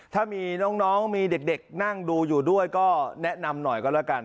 ถ้ามีน้องมีเด็กนั่งดูอยู่ด้วยก็แนะนำหน่อยก็แล้วกัน